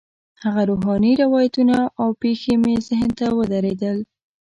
هغه روحاني روایتونه او پېښې مې ذهن ته ودرېدل.